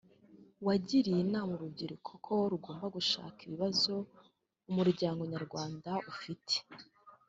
wagiriye inama urubyiruko ko rugomba gushakisha ibibazo umuryango nyarwanda ufite